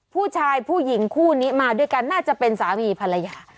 ผู้หญิงคู่นี้มาด้วยกันน่าจะเป็นสามีภรรยา